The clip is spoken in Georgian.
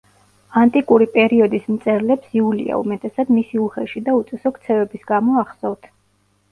ანტიკური პერიოდის მწერლებს იულია, უმეტესად, მისი უხეში და უწესო ქცევების გამო ახსოვთ.